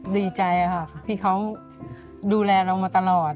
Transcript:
ดีใจค่ะที่เขาดูแลเรามาตลอด